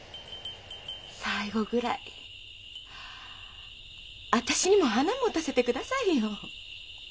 最後ぐらい私にも花もたせて下さいよ。